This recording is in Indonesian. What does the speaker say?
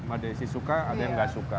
ada yang suka ada yang nggak suka